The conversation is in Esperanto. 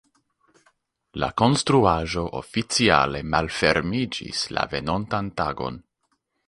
La konstruaĵo oficiale malfermiĝis la venontan tagon.